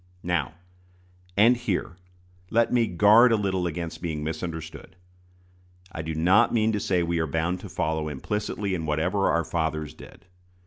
Now, and here, let me guard a little against being misunderstood. I do not mean to say we are bound to follow implicitly in whatever our fathers did.